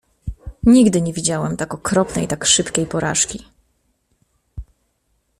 "„Nigdy nie widziałem tak okropnej, tak szybkiej porażki."